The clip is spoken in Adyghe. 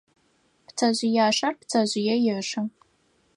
Пцэжъыяшэр пцэжъые ешэ.